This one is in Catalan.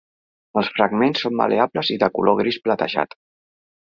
Els fragments són mal·leables i de color gris platejat.